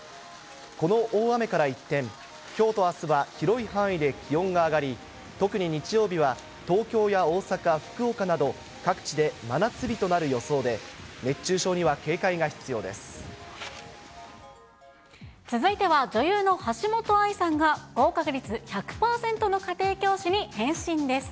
この大雨から一転、きょうとあすは広い範囲で気温が上がり、特に日曜日は東京や大阪、福岡など、各地で真夏日となる予想で、続いては、女優の橋本愛さんが、合格率１００％の家庭教師に変身です。